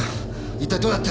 一体どうやって？